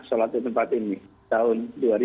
sholat di tempat ini tahun